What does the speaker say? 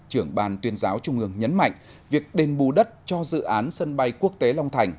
trưởng ban tuyên giáo trung ương nhấn mạnh việc đền bù đất cho dự án sân bay quốc tế long thành